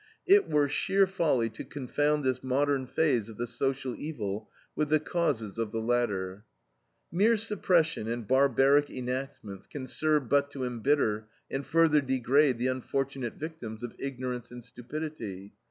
It were sheer folly to confound this modern phase of the social evil with the causes of the latter. Mere suppression and barbaric enactments can serve but to embitter, and further degrade, the unfortunate victims of ignorance and stupidity.